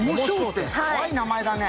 かわいい名前だね。